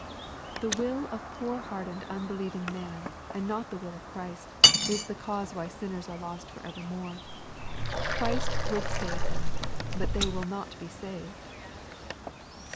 * The will of poor hardened unbelieving man, and not the will of Christ, is the cause why sinners are lost for evermore. Christ "would" save them, hut they will " not he" saved.